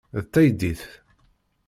D taydit.